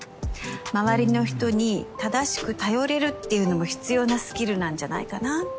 周りの人に正しく頼れるっていうのも必要なスキルなんじゃないかな？